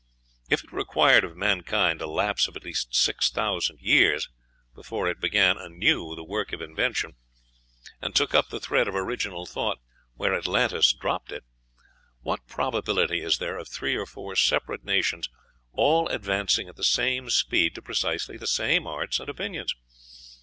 If it required of mankind a lapse of at least six thousand years before it began anew the work of invention, and took up the thread of original thought where Atlantis dropped it, what probability is there of three or four separate nations all advancing at the same speed to precisely the same arts and opinions?